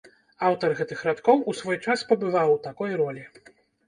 Аўтар гэтых радкоў у свой час пабываў у такой ролі.